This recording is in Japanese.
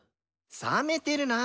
さめてるな。